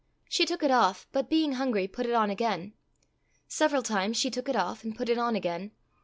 She took it off, but being hungry, put it on again. Several times she took it off and put it on again.